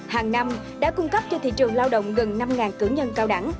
hàng năm đã cung cấp cho thị trường lao động gần năm cử nhân cao đẳng